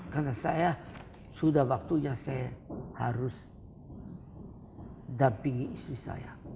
karena saya sudah waktunya saya harus dampingi istri saya